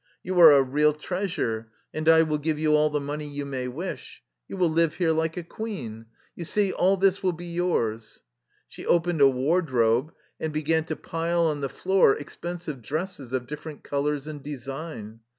You are a real treasure, and I will give you all the money you may wish. You will live here like a queen. You see, all this will be yours." She opened a wardrobe and began to pile on the floor expensive dresses of different col ors and design.